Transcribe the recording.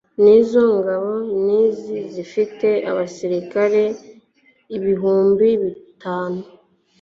Nizo ngabo nini zifite abasirikare ibihumbi bitanu